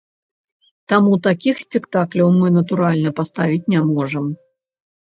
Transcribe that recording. Таму такіх спектакляў мы, натуральна, паставіць не можам.